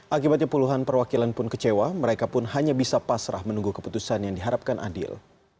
akibatnya puluhan perwakilan pun kecewa mereka pun hanya bisa pasrah menunggu keputusan yang diharapkan adil